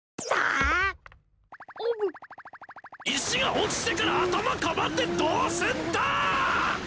石が落ちてから頭かばってどうすんだ！